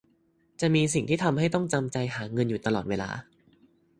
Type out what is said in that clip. จะมีสิ่งที่ทำให้ต้องจำใจหาเงินอยู่ตลอดเวลา